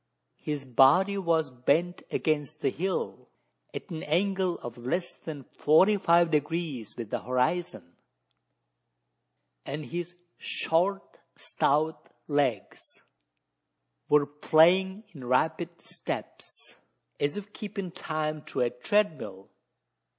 His body was bent against the hill at an angle of less than forty five degrees with the horizon; and his short stout legs were playing in rapid steps, as if keeping time to a treadmill!